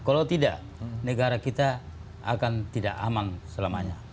kalau tidak negara kita akan tidak aman selamanya